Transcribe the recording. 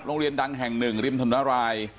โรงเรียนดังแห่ง๑ลิ้มถนนราย